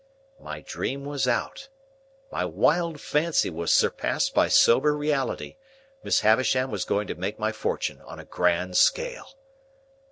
My dream was out; my wild fancy was surpassed by sober reality; Miss Havisham was going to make my fortune on a grand scale.